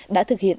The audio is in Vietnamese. đã thực hiện